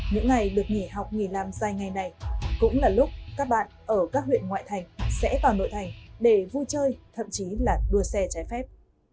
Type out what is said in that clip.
những ngày được nghỉ học nghỉ làm dài ngày này cũng là lúc các bạn ở các huyện ngoại thành sẽ vào nội thành để vui chơi thậm chí là đua xe trái phép